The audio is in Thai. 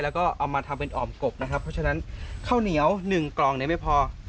แล้วทำเป็นอ่อมกบนะครับซึ่งข้าวเหนียว๑กล่องไม่พอ